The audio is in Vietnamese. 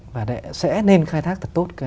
và sẽ nên khai thác thật tốt